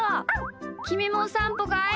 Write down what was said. きみもおさんぽかい？